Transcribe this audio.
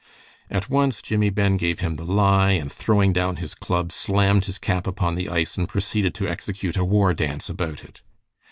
At once Jimmie Ben gave him the lie, and throwing down his club, slammed his cap upon the ice and proceeded to execute a war dance about it.